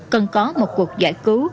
cần có một cuộc giải cứu